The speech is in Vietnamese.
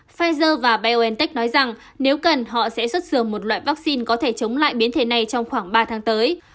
pfizer và biontech nói rằng nếu cần họ sẽ xuất dường một loại vaccine có thể chống lại biến thể này trong khoảng ba tháng tới